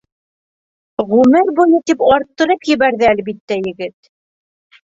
«Ғүмер буйы» тип арттырып ебәрҙе, әлбиттә, егет.